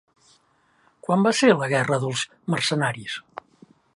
Quan va ser la guerra dels mercenaris?